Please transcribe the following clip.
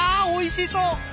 おいしそう！